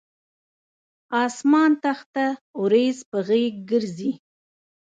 اسمان تخته اوریځ په غیږ ګرځي